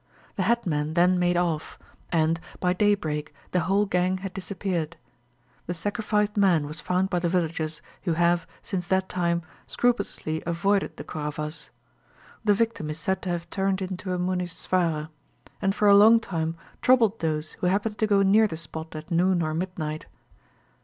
The headmen then made off, and, by daybreak, the whole gang had disappeared. The sacrificed man was found by the villagers, who have, since that time, scrupulously avoided the Koravas. The victim is said to have turned into a Munisvara, and for a long time troubled those who happened to go near the spot at noon or midnight.